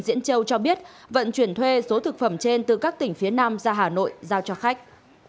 diễn châu cho biết vận chuyển thuê số thực phẩm trên từ các tỉnh phía nam ra hà nội giao cho khách